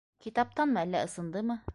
- Китаптанмы, әллә ысындымы?